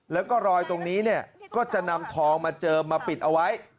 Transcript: แล้วก็รอยตรงนี้เนี่ยก็จะนำทองมาเจิมมาปิดเอาไว้